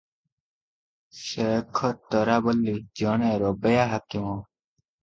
ସେଖ ତୋରାବଲ୍ଲି ଜଣେ ରବେୟା ହାକିମ ।